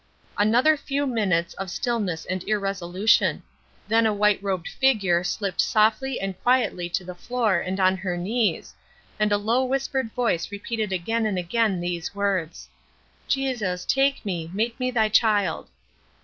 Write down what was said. Another few minutes of stillness and irresolution. Then a white robed figure slipped softly and quietly to the floor and on her knees, and a low whispered voice repeated again and again these words: "Jesus, take me; make me thy child."